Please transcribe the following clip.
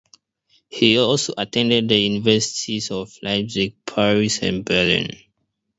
He also attended the universities of Leipzig, Paris and Berlin.